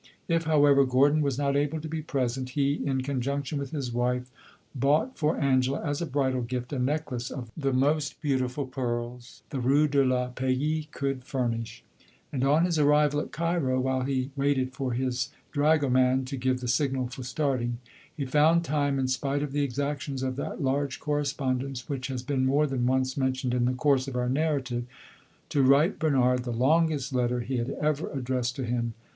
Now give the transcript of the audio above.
If, however, Gordon was not able to be present, he, in conjunction with his wife, bought for Angela, as a bridal gift, a necklace of the most beautiful pearls the Rue de la Paix could furnish; and on his arrival at Cairo, while he waited for his dragoman to give the signal for starting, he found time, in spite of the exactions of that large correspondence which has been more than once mentioned in the course of our narrative, to write Bernard the longest letter he had ever addressed to him.